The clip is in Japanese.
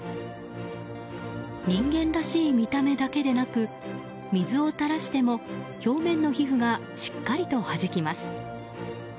人間らしい見た目だけでなく水を垂らしても表面の皮膚がしっかりとはじきます。